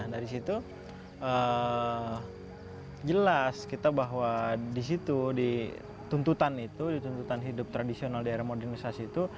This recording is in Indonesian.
dari situ jelas kita bahwa di situ dituntutan itu dituntutan hidup tradisional di era modernisasi itu